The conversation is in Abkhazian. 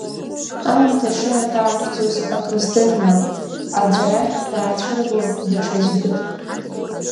Аамҭа шынаҳәааҳәӡоз акрыздырма, аӡә арахь даацәырго, даҽаӡә дыф…